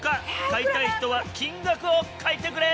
買いたい人は金額を書いてくれ！